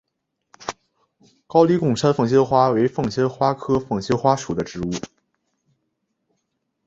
高黎贡山凤仙花为凤仙花科凤仙花属的植物。